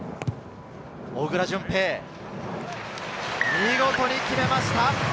小倉順平、見事に決めました。